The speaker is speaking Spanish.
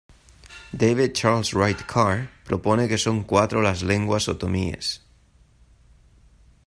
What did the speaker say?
David Charles Wright Carr propone que son cuatro las lenguas otomíes.